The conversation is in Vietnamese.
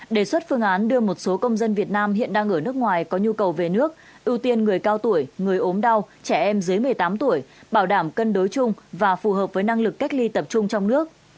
đề xuất phương án đưa một số công dân việt nam hiện đang ở nước ngoài có nhu cầu về nước ưu tiên người cao tuổi người ốm đau trẻ em dưới một mươi tám tuổi bảo đảm cân đối chung và phù hợp với năng lực cách ly tập trung trong nước